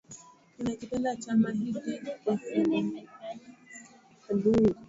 ninakipenda chama hiki kwa sababu